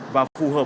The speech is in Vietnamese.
và phù hợp